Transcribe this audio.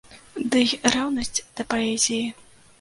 Дый рэўнасць да паэзіі.